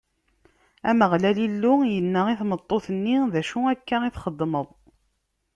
Ameɣlal Illu yenna i tmeṭṭut-nni: D acu akka i txedmeḍ?